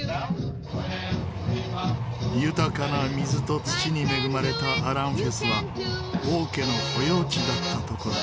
豊かな水と土に恵まれたアランフェスは王家の保養地だった所。